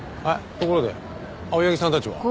ところで青柳さんたちは？